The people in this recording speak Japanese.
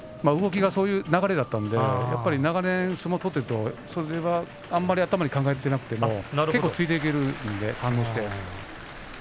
そういう動きだったので長年相撲を取っているとあまり頭に考えてなくても結構ついていけるので反応して。